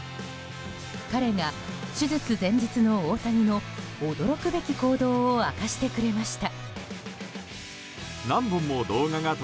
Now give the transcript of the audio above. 彼が手術前日の大谷の驚くべき行動を明かしてくれました。